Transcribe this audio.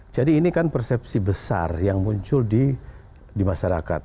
jadi ini kan persepsi besar yang muncul di masyarakat